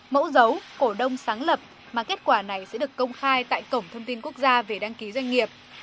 mẫu dấu cổ đông sáng lập mà kết quả này sẽ được công khai tại cổng thông tin quốc gia về đăng ký doanh nghiệp